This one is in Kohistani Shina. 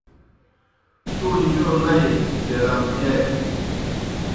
تُوْڑ جو لئی بیرامتِیانیْ۔